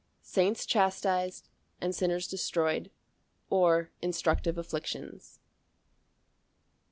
Saints chastised, and sinners destroyed; or, Instructive afflictions.